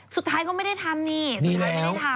สุดท้ายก็ไม่ได้ทำนี่สุดท้ายไม่ได้ทำ